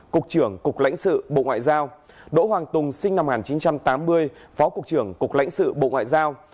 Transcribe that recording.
cục trưởng cục lãnh sự bộ ngoại giao đỗ hoàng tùng sinh năm một nghìn chín trăm tám mươi phó cục trưởng cục lãnh sự bộ ngoại giao